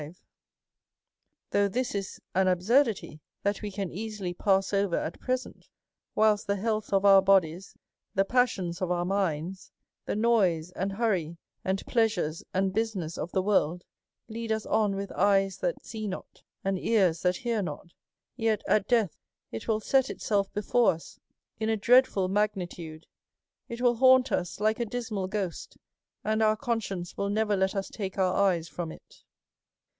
26 A SERIOUS CALL TO A Though this is an absurdity that we can easily pass over at present, whilst the health of our bodies, the passions of our minds, the noise, and hurry, and plea sures, and business of the world, lead us on with eyes that see not, and ears that hear not ; yet at death it will set itself before us in a dreadful magnitude, it will haunt us like a dismal ghost, and our conscience will never let us take our eyes from it.